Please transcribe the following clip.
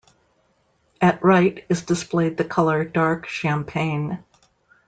At right is displayed the color dark champagne.